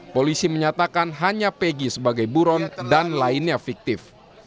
polisi menyatakan hanya pegi sebagai buron dan lainnya fiktif